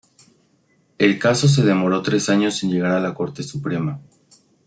El caso se demoró tres años en llegar a la Corte Suprema.